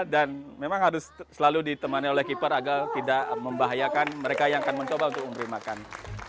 dan memang harus selalu ditemani oleh keeper agar tidak membahayakan mereka yang akan mencoba untuk membeli makanan